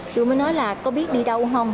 tôi mới nói là có biết đi đâu không